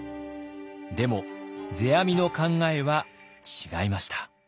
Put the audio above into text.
でも世阿弥の考えは違いました。